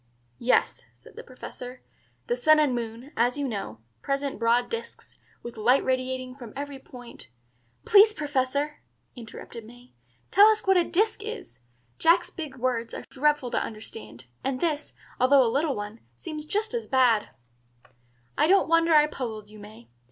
"Yes," said the Professor. "The sun and moon, as you know, present broad disks, with light radiating from every point " "Please, Professor," interrupted May, "tell us what a 'disk' is. Jack's big words are dreadful to understand; and this, although a little one, seems just as bad." "I don't wonder I puzzled you, May.